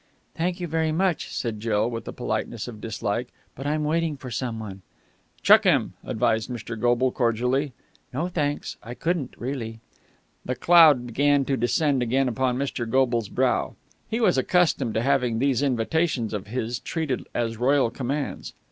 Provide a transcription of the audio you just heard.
"Thank you very much," said Jill, with the politeness of dislike, "but I'm waiting for someone." "Chuck him!" advised Mr. Goble cordially. "No, thanks, I couldn't, really." The cloud began to descend again upon Mr. Goble's brow. He was accustomed to having these invitations of his treated as royal commands.